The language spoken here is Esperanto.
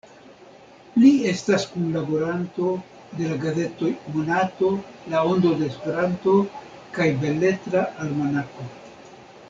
Li estas kunlaboranto de la gazetoj Monato, La Ondo de Esperanto kaj Beletra Almanako.